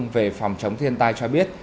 về phòng chống thiên tai cho biết